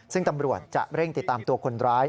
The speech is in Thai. ซึ่งตำรวจจะเร่งติดตามตัวคนร้าย